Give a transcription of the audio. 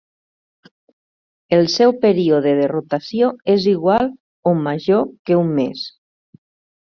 El seu període de rotació és igual om major que un mes.